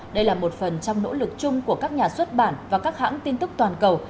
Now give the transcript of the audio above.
đây là một phần trong nỗ lực chung của các nhà xuất bản và các hãng tin tức toàn cầu